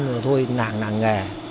rồi tôi nàng nàng nghề